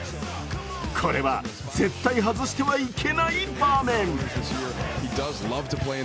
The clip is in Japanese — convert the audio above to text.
これは絶対外してはいけない場面。